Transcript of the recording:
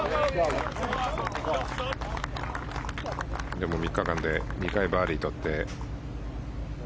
でも３日間で２回バーディーを取って。